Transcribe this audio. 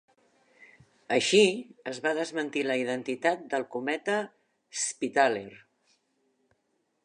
Així, es va desmentir la identitat del cometa "Spitaler"